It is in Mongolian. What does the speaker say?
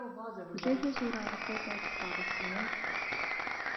Хүлээхээс өөр аргагүй байдалд оруулсан юм.